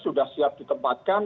sudah siap ditempatkan